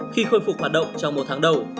khi khôi phục hoạt động trong một tháng đầu